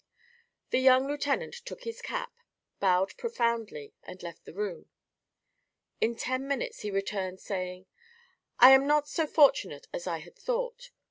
The young lieutenant took his cap, bowed profoundly and left the room. In ten minutes he returned, saying: "I am not so fortunate as I had thought.